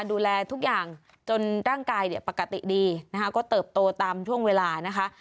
ดูแลทุกอย่างจนร่างกายเนี่ยปกติดีนะคะก็เติบโตตามช่วงเวลานะคะ